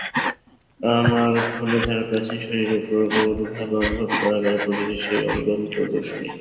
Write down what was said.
আমার ঘুণেধরা প্রাচীন শরীরেও প্রবলভাবে অনুভব করা গেল প্রকৃতির সেই অনুপম প্রদর্শনী।